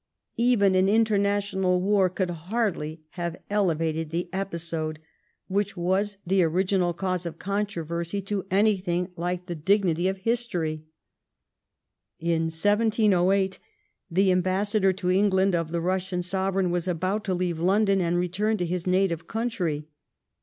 Even an international war could hardly have ele vated the episode which was the original cause of controversy to anything hke the dignity of history. In 1708 the ambassador to England of the Eussian Sovereign was about to leave London and return to his native country.